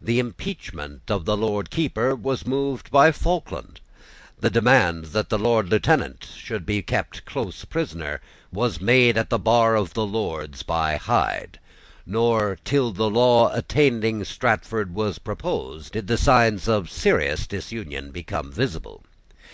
The impeachment of the Lord Keeper was moved by Falkland. The demand that the Lord Lieutenant should be kept close prisoner was made at the bar of the Lords by Hyde. Not till the law attainting Strafford was proposed did the signs of serious disunion become visible.